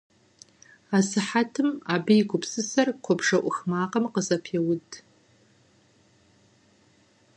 Асыхьэтым абы и гупсысэр куэбжэ Iух макъым къызэпеуд.